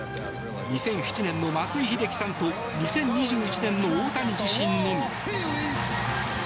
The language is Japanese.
２００７年の松井秀喜さんと２０２１年の大谷自身のみ。